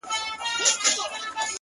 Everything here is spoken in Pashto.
وځان ته بله زنده گي پيدا كړه،